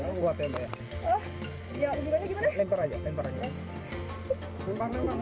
ya boleh dilempar sekarang